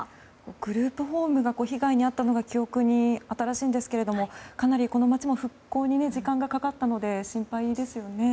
グループホームが被害に遭ったのが記憶に新しいんですがかなりこの町も復興に時間がかかったので心配ですよね。